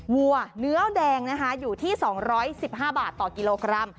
วัวเนื้อแดงนะคะอยู่ที่๒๑๕บาทต่อกิโลกรัม